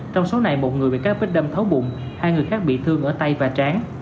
trong số này một người bị các vết đâm thấu bụng hai người khác bị thương ở tay và tráng